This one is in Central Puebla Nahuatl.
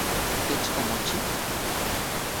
¿Kech omochi?